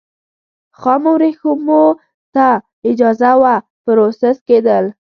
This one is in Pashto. خامو ورېښمو ته اجازه وه پروسس کېدل.